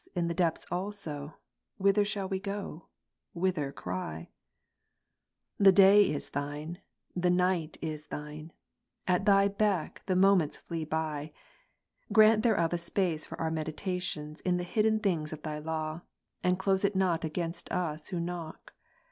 130, in the depths also, whither shall we go ? whither cry ? The J; day is Thine, and the night is Thine ; at Thy beck the mo le. ments flee by. Grant thereof a space for our meditations in the hidden things of Thy lata, and close it not against us who knock.